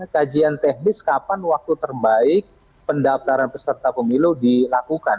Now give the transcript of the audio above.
kajian teknis kapan waktu terbaik pendaftaran peserta pemilu dilakukan